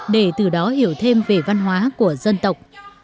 để từ đó hiểu thêm về văn hóa của dân tộc